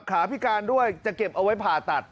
พิการด้วยจะเก็บเอาไว้ผ่าตัด